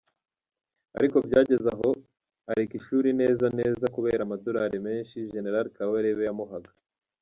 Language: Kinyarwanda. Ariko byageze aho areka ishuri neza neza kubera amadorali menshi General Kabarebe yamuhaga.